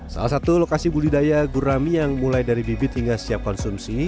salah satu lokasi budidaya gurami yang mulai dari bibit hingga siap konsumsi